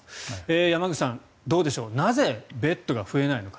山口さん、どうでしょうなぜベッドが増えないのか。